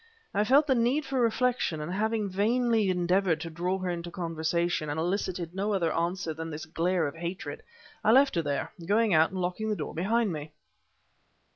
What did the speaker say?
I felt the need for reflection, and having vainly endeavored to draw her into conversation, and elicited no other answer than this glare of hatred I left her there, going out and locking the door behind me."